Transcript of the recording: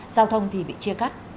giao thông thì bị chia cắt